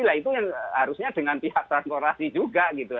nah itu yang harusnya dengan pihak transportasi juga gitu